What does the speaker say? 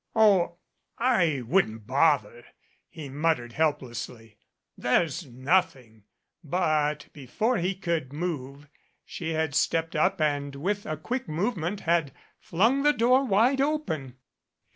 "Oh, I wouldn't bother," he muttered helplessly. "There's nothing " But before he could move she had stepped up and with a quick movement had flung the door wide open.